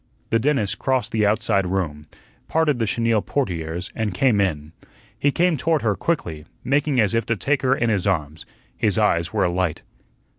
The dentist crossed the outside room, parted the chenille portieres, and came in. He came toward her quickly, making as if to take her in his arms. His eyes were alight.